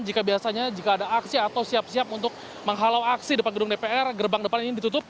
jika biasanya jika ada aksi atau siap siap untuk menghalau aksi depan gedung dpr gerbang depan ini ditutup